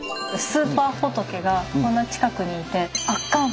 スーパー仏がこんな近くにいて圧巻！って感じ。